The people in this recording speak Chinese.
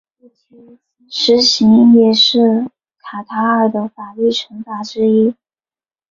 石刑也是卡塔尔的法律惩罚之一。